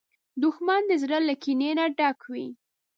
دښمن د زړه له کینې نه ډک وي